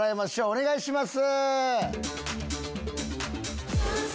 お願いします。